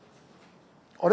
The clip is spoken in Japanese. あれ？